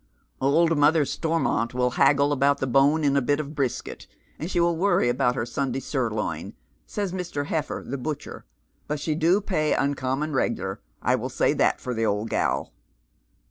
" Old Mother Stormont will haggle about the bone in a bit of brisket, and she will woiTy about h^r Sunday sirloin," says Mr. Heffer, the butcher, " but she do pay uncommon reglar, I will say that for the old gal."